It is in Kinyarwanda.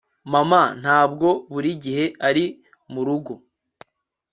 Mama ntabwo buri gihe ari murugo